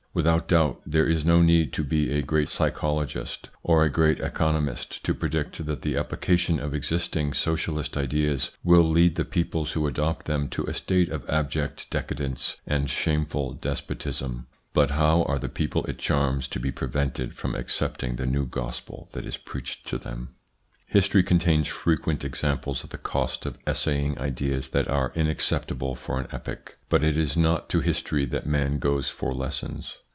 Without doubt, there is no need to be a great psychologist or a great economist to predict that the application of existing, socialist ideas will lead the peoples who adopt them to a state of abject decadence and shameful despotism ; but how are the people it charms to be prevented from accepting the New Gospel that is preached to them ? History contains frequent examples of the cost of essaying ideas that are inacceptable for an epoch, but it is not to history that man goes for lessons.